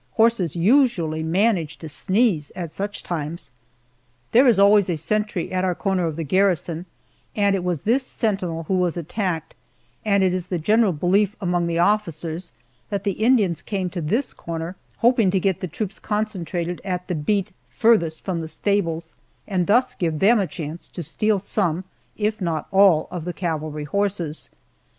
Horses usually manage to sneeze at such times. There is always a sentry at our corner of the garrison, and it was this sentinel who was attacked, and it is the general belief among the officers that the Indians came to this corner hoping to get the troops concentrated at the beat farthest from the stables, and thus give them a chance to steal some, if not all, of the cavalry horses.